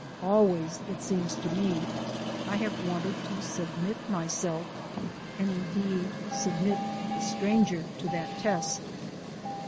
Always, it seems to me, I have wanted to submit myself, and indeed submit the stranger, to that test.